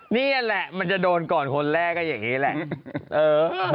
นี่แหละมันจะโดนก่อนคนแรกก็อย่างนี้แหละ